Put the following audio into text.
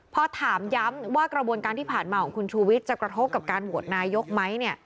พอถามย้ำว่ากระบวนการที่ผ่านมาของคุณชูวิทย์จะกระทบกับการโหวตนายกไหม